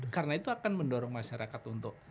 karena itu akan mendorong masyarakat untuk